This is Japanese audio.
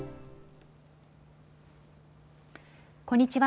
こんにちは。